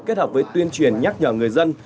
kết hợp với tuyên truyền nhắc nhở người dân